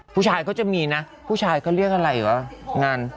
ผู้ชายก็จะมีนะผู้ชายก็เรียกอะไรอ่ะงาน